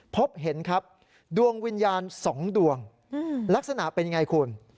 พบเห็นครับดวงวิญญาณ๒ดวงลักษณะเป็นยังไงคุณ